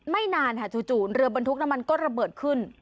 นานค่ะจู่เรือบรรทุกน้ำมันก็ระเบิดขึ้น